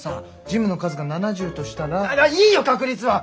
ジムの数が７０としたら。いいよ確率は。